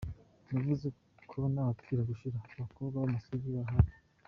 Yavuze ko nta bapfira gushira, abakobwa b’amasugi bahari.